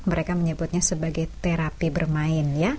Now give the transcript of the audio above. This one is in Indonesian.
mereka menyebutnya sebagai terapi bermain